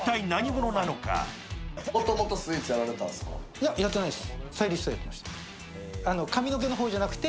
いややっていないです。